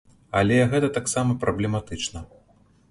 Але гэта таксама праблематычна.